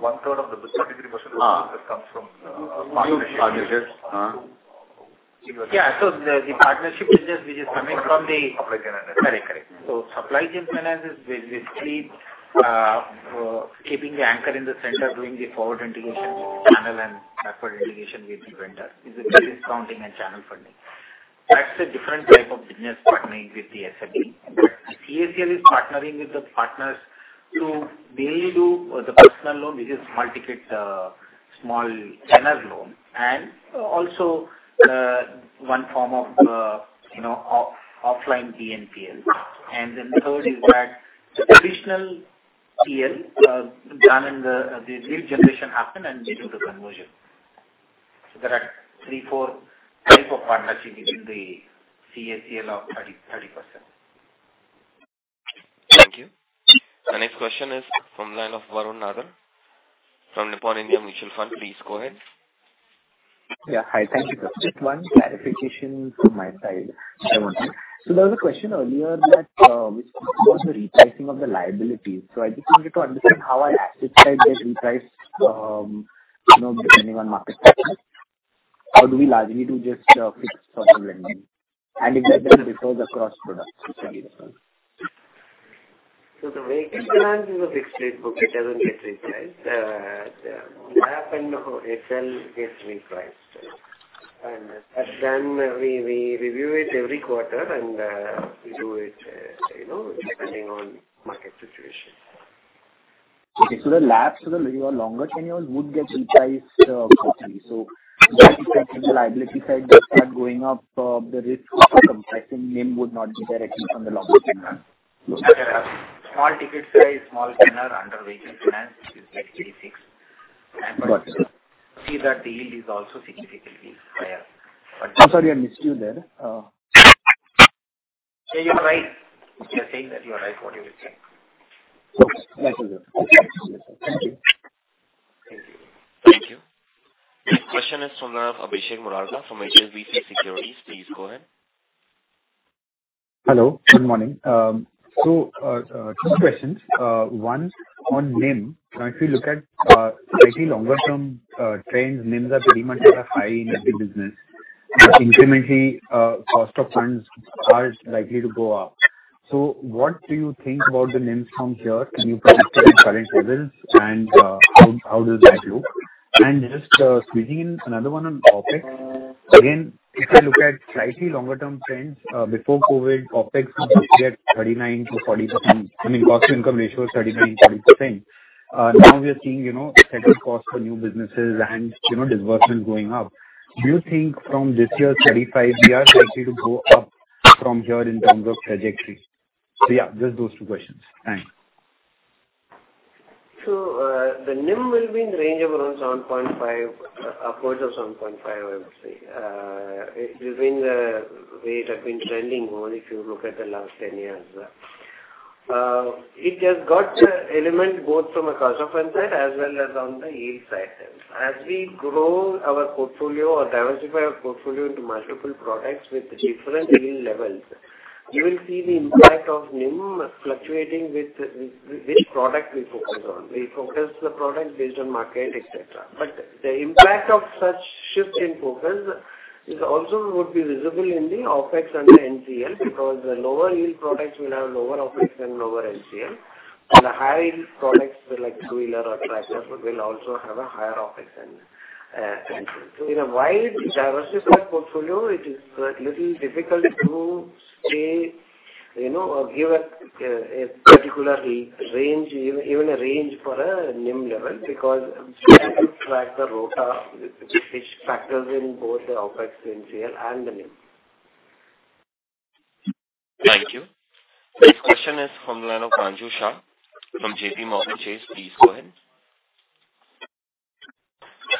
The partnership business which is coming from the- Supply Chain Finance. Correct. Supply Chain Finance is basically keeping the anchor in the center, doing the forward integration with the channel and backward integration with the vendor. It's a discounting and channel funding. That's a different type of business partnering with the SME. But the Chola is partnering with the partners to mainly do the personal loan, which is multi-kit small tenor loan. And also one form of you know offline BNPL. And then the third is that the additional PL done in the lead generation happen and they do the conversion. There are 3-4 types of partnership giving the Chola 30-30%. Thank you. The next question is from the line of Varun Nadar from Nippon India Mutual Fund. Please go ahead. Yeah. Hi. Thank you, sir. Just one clarification from my side I wanted. There was a question earlier that, which was about the repricing of the liabilities. I just wanted to understand how are assets priced and repriced, you know, depending on market prices. Or do we largely do just fixed to floating lending? And is that done for the core products usually? The Vehicle Finance is a fixed rate book. It doesn't get repriced. The LAP and HL gets repriced. Then we review it every quarter and we do it, you know, depending on market situation. Okay. The LAPs for the longer tenure would get repriced quarterly. If the liability side does start going up, the risk of compressing NIM would not be there at least on the longer tenure. Small ticket size, small tenor under Vehicle Finance is basically fixed. Got you. See that the yield is also significantly higher. I'm sorry, I missed you there. Yeah, you are right. We are saying that you are right, what you were saying. Nice. Thank you. Thank you. Thank you. Next question is from Abhishek Murarka from HSBC Securities. Please go ahead. Hello. Good morning. Two questions. One on NIM. Now if you look at slightly longer term trends, NIMs are pretty much at a high in this business. Incrementally, cost of funds are likely to go up. What do you think about the NIMs from here? Can you predict current levels and how does that look? Just squeezing in another one on OpEx. Again, if I look at slightly longer term trends before COVID, OpEx was at 39%-40%. I mean, cost to income ratio was 39%-40%. Now we are seeing, you know, setup costs for new businesses and, you know, disbursements going up. Do you think from this year's 35%, we are likely to go up from here in terms of trajectory? Yeah, just those two questions. Thanks. The NIM will be in the range of around 7.5%, upwards of 7.5% I would say. It's been the way it has been trending only if you look at the last 10 years. It has got the element both from a cost of funds side as well as on the yield side. As we grow our portfolio or diversify our portfolio into multiple products with different yield levels, you will see the impact of NIM fluctuating with this product we focus on. We focus the product based on market, et cetera. The impact of such shift in focus is also would be visible in the OpEx and the ECL, because the lower yield products will have lower OpEx and lower ECL. The high yield products like two-wheeler or tractors will also have a higher OpEx and ECL. In a wide diversified portfolio, it is a little difficult to say. You know, give a particular range, even a range for a NIM level because we have to track the ROTA which factors in both the OPEX here and the NIM. Thank you. The next question is from the line of Anuj Shah from JPMorgan Chase. Please go ahead.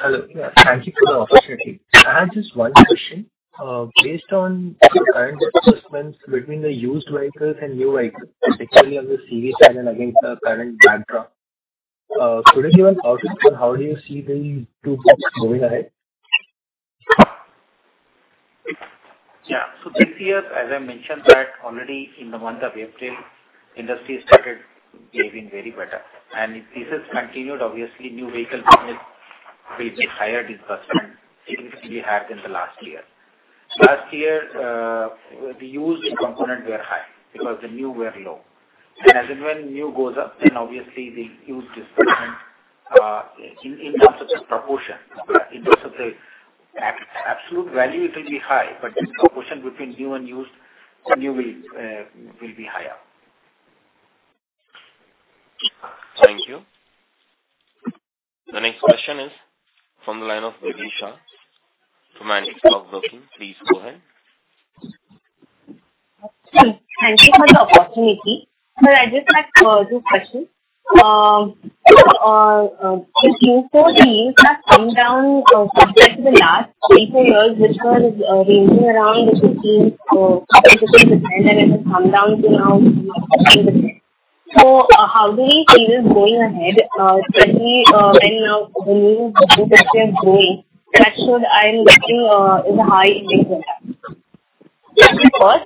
Hello. Thank you for the opportunity. I have just one question. Based on current assessments between the used vehicles and new vehicles, particularly on the CV side and against the current backdrop, could you give us outlook on how do you see the two groups moving ahead? Yeah. This year, as I mentioned that already in the month of April, industry started behaving very better. This has continued. Obviously, new vehicle business will be higher disbursement than we had in the last year. Last year, the used component were high because the new were low. As and when new goes up, then obviously the used disbursement, in terms of the proportion. In terms of the absolute value, it will be high. But the proportion between new and used, the new will be higher. Thank you. The next question is from the line of Vidhi Shah from Axis Broking. Please go ahead. Thank you for the opportunity. Sir, I just had two questions. In Q4, the come down as compared to the last 3-4 years, which was ranging around 15%-20%, and it has come down to now 2.something%. How do you see this going ahead, especially when now the new business is growing. That should, I am guessing, is a high incidence impact. This is first.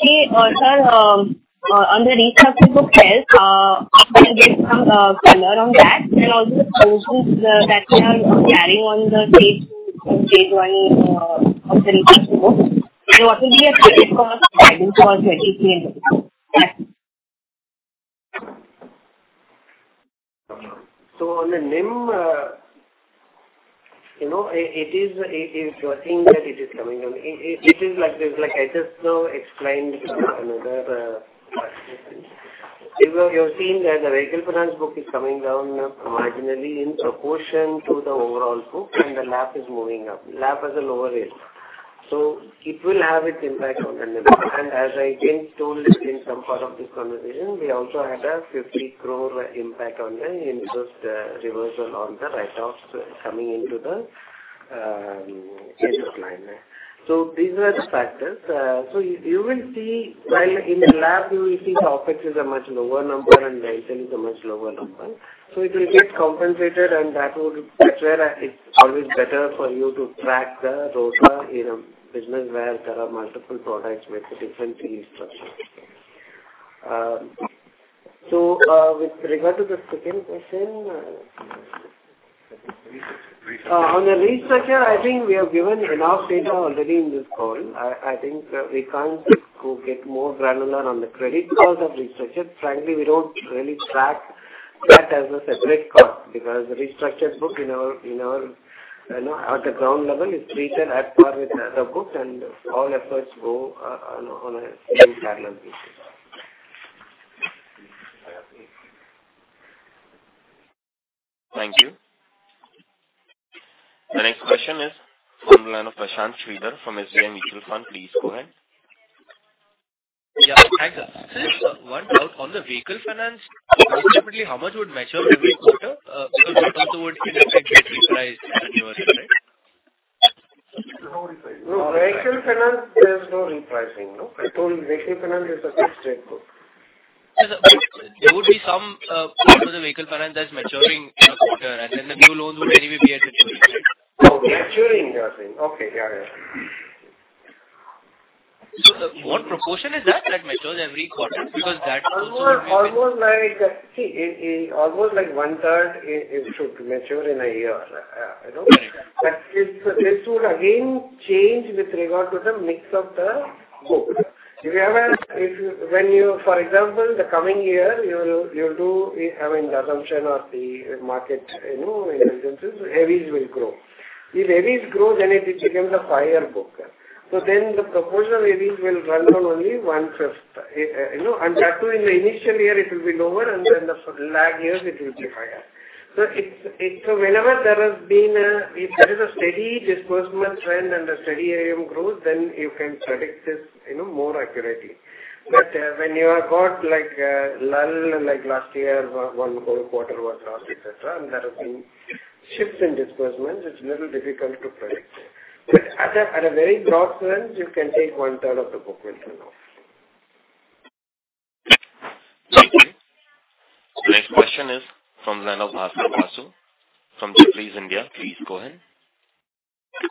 Three, sir, on the retail book health, if you can give some color on that and also the provisions that we are carrying on the Stage 2 and Stage 1 of the retail book, and what will be the expected guidance for 2023 and 2024. On the NIM, you know, it is, you are seeing that it is coming down. It is like this, like I just now explained to another participant. You are seeing that the vehicle finance book is coming down marginally in proportion to the overall book, and the LAP is moving up. LAP has a lower rate, so it will have its impact on the NIM. As I again told in some part of this conversation, we also had a 50 crore impact on the interest reversal on the write-offs coming into the P&L. These were the factors. You will see while in LAP you will see OPEX is a much lower number and ECL is a much lower number. It will get compensated and that would. That's where it's always better for you to track the ROTA in a business where there are multiple products with different fee structures. With regard to the second question. Restructure. On the restructure, I think we have given enough data already in this call. I think we can't go get more granular on the credit because of restructure. Frankly, we don't really track that as a separate cost because the restructure book in our. You know, at the ground level is treated at par with other books and all efforts go on a parallel basis. Thank you. The next question is from the line of Prashanth Sridhar from SBI Mutual Fund. Please go ahead. Yeah, thanks. I just have one doubt on the Vehicle Finance. Approximately how much would mature every quarter? Because that also would be repriced annually, right? No Vehicle Finance, there is no repricing. No. I told you Vehicle Finance is a fixed rate book. There would be some pool to the Vehicle Finance that's maturing every quarter, and then the new loans would anyway be at a new rate. Oh, maturing you are saying. Okay. Yeah, yeah. What proportion is that matures every quarter? Because that also- Almost like 1/3 is to mature in a year. You know. This would again change with regard to the mix of the book. For example, in the coming year, I mean, the assumption of the market, you know, is that heavies will grow. If heavies grow, then it becomes a higher book. The proportion of heavies will run down only 1/5. You know, and that too in the initial year it will be lower, and then the lag years it will be higher. It's if there is a steady disbursement trend and a steady AUM growth, then you can predict this, you know, more accurately. When you have got like a lull like last year, one whole quarter was lost, et cetera, and there have been shifts in disbursements, it's a little difficult to predict. At a very broad sense, you can take one-third of the book with you now. Thank you. The next question is from the line of Bhaskar Basu from Jefferies India. Please go ahead.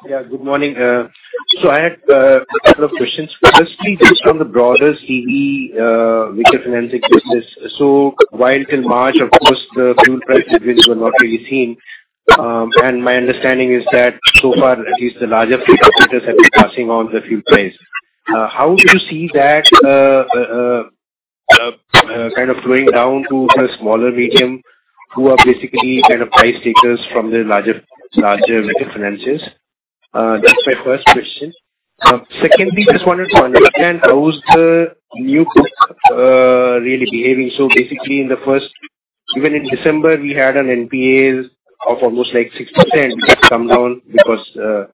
Yeah, good morning. I had a couple of questions. First please, just on the broader CV vehicle financing business. While till March, of course, the fuel price increases were not really seen, and my understanding is that so far at least the larger fleet operators have been passing on the fuel price. How do you see that kind of flowing down to the smaller medium, who are basically kind of price takers from the larger financers. That's my first question. Secondly, just wanted to understand how is the new book really behaving. Basically, even in December, we had an NPA of almost like 6% which has come down because the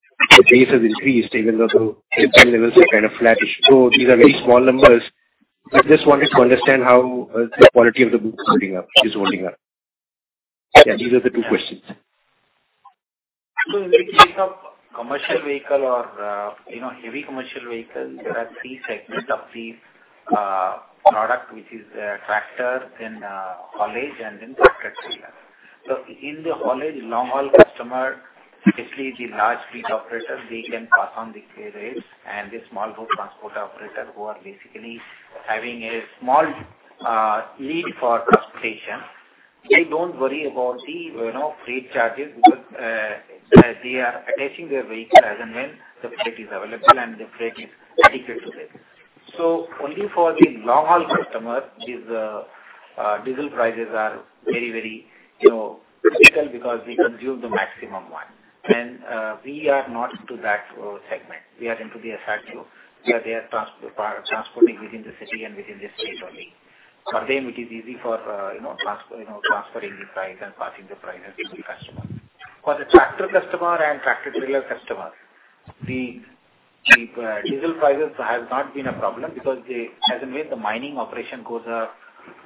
base has increased even though the NPA levels are kind of flattish. These are very small numbers. I just wanted to understand how the quality of the book is holding up. Yeah, these are the two questions. In the case of commercial vehicle or you know heavy commercial vehicle, there are three segments of the product, which is tractor, then haulage, and then tractor trailer. In the haulage long-haul customer, basically the large fleet operators, they can pass on the freight rates, and the small group transport operators who are basically having a small need for transportation. They don't worry about the freight charges because they are attaching their vehicle as and when the freight is available and the freight is dedicated to them. Only for the long-haul customer, these diesel prices are very, very you know critical because they consume the maximum one. We are not into that segment. We are into the SRTO, where they are transporting within the city and within the state only. For them it is easy for, you know, transferring the price and passing the price as to the customer. For the tractor customer and tractor trailer customers, diesel prices has not been a problem because they, as and when the mining operation goes up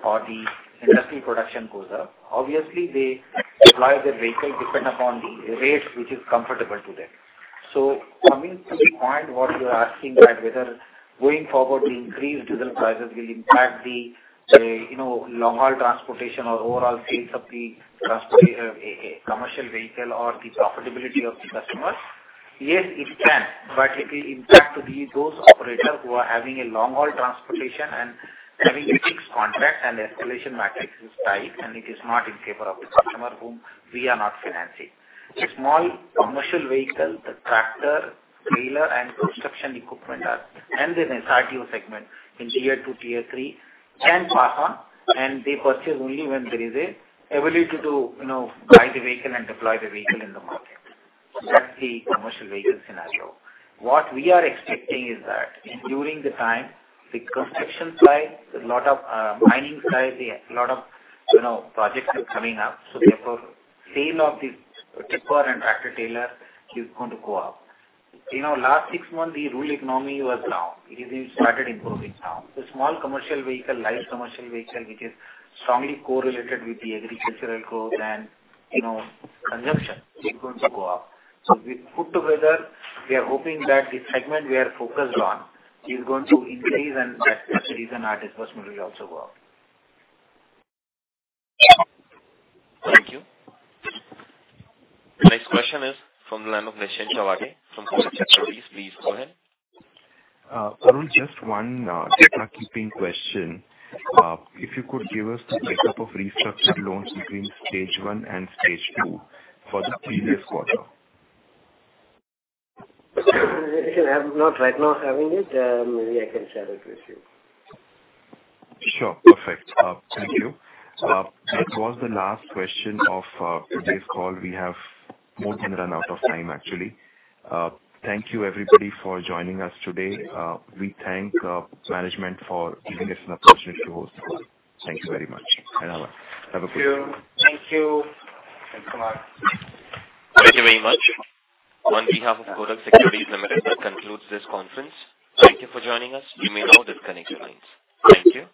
or the industry production goes up, obviously they deploy their vehicle depend upon the rate which is comfortable to them. Coming to the point what you are asking that whether going forward the increased diesel prices will impact the, you know, long-haul transportation or overall sales of the transportation, commercial vehicle or the profitability of the customers. Yes, it can. It will impact those operators who are having a long-haul transportation and having a fixed contract and escalation matrix is tight and it is not in favor of the customer whom we are not financing. The small commercial vehicle, the tractor, trailer and construction equipment are under the SRTO segment in Tier 2, Tier 3, can pass on, and they purchase only when there is an ability to, you know, buy the vehicle and deploy the vehicle in the market. That's the commercial vehicle scenario. What we are expecting is that during the time the construction side, a lot of, mining side, a lot of, you know, projects are coming up, so therefore sale of the tipper and tractor trailer is going to go up. You know, last 6 months the rural economy was down. It is starting to improve now. The small commercial vehicle, light commercial vehicle which is strongly correlated with the agricultural growth and, you know, consumption is going to go up. If we put together, we are hoping that the segment we are focused on is going to increase and that facilities and our disbursement will also go up. Thank you. The next question is from the line of Nischint Chawathe from Kotak Securities. Please go ahead. Arul Selvan, just one data-keeping question. If you could give us the makeup of restructured loans between Stage 1 and Stage 2 for the previous quarter. I'm not right now having it. Maybe I can share it with you. Sure. Perfect. Thank you. That was the last question of today's call. We have more than run out of time, actually. Thank you, everybody, for joining us today. We thank management for giving us an opportunity to host the call. Thank you very much. Have a good day. Thank you. Thanks a lot. Thank you very much. On behalf of Kotak Securities, that concludes this conference. Thank you for joining us. You may now disconnect your lines. Thank you.